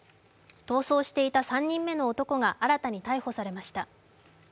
逃走していた３人目の男が新たに逮捕されました。